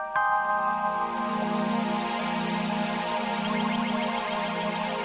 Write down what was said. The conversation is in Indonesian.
jangan lupa untuk berlangganan